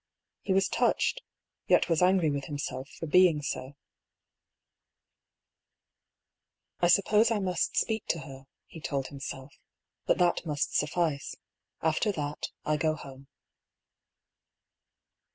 He was touched, yet was angry with himself for being so. 218 DR. PAULL'S THEORY. I suppose I must speak to her," he told himself; " but that must suffice. After that, I go home."